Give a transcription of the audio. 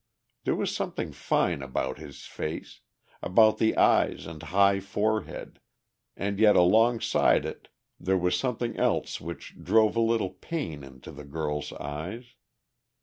There was something fine about his face, about the eyes and high forehead, and yet alongside it there was something else which drove a little pain into the girl's eyes.